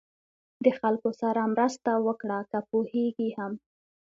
د خلکو سره مرسته وکړه که پوهېږئ هم.